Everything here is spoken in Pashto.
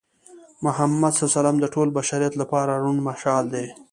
محمد ص د ټول بشریت لپاره روڼ مشال دی.